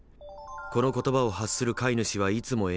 「この言葉を発する飼い主はいつも笑顔だ」